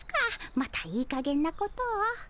またいいかげんなことを。